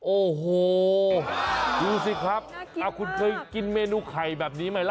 โอ้โหดูสิครับคุณเคยกินเมนูไข่แบบนี้ไหมล่ะ